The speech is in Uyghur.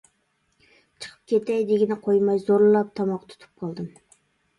«چىقىپ كېتەي» دېگىنىگە قويماي، زورلاپ تاماققا تۇتۇپ قالدىم.